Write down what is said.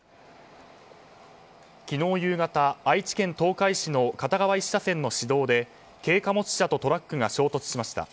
昨日夕方、愛知県東海市の片側１車線の市道で軽貨物車とトラックが衝突しました。